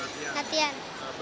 berapa kali latihan